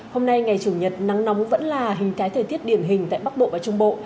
hôm nay ngày chủ nhật nắng nóng vẫn là hình thái thời tiết điển hình tại bắc bộ và trung bộ